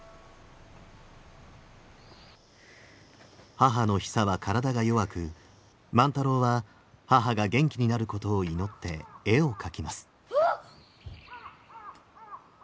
母のヒサは体が弱く万太郎は母が元気になることを祈って絵を描きます。